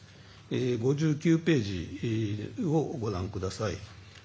５９ページをご覧ください。